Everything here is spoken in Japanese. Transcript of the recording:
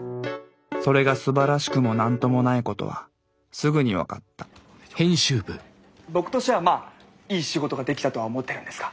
それがすばらしくも何ともないことはすぐに分かった僕としてはまあいい仕事ができたとは思ってるんですが。